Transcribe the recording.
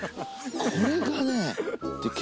これがね